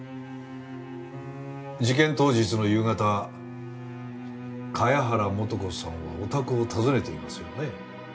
事件当日の夕方茅原素子さんはお宅を訪ねていますよね？